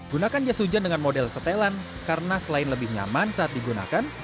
gunakan jas hujan dengan model setelan karena selain lebih nyaman saat digunakan